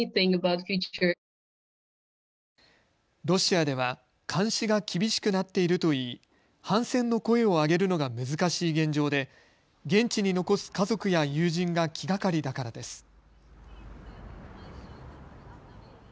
ロシアでは監視が厳しくなっているといい反戦の声を上げるのが難しい現状で現地に残す家族や友人が気がかりだからです。